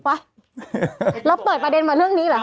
วะแล้วเปิดประเด็นมาเรื่องนี้เหรอคะ